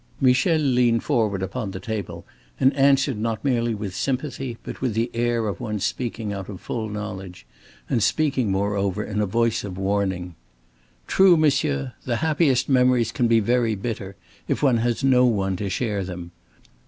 Michel leaned forward upon the table and answered not merely with sympathy but with the air of one speaking out of full knowledge, and speaking moreover in a voice of warning. "True, monsieur. The happiest memories can be very bitter if one has no one to share them.